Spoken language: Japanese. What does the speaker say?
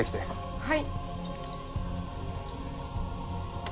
はい。